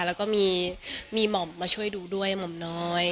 แล้วก็มีหม่อมมาช่วยดูด้วยหม่อมน้อย